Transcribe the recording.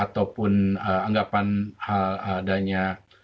ataupun anggapan adanya